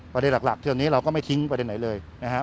ประเด็นหลักเที่ยวนี้เราก็ไม่ทิ้งประเด็นไหนเลยนะครับ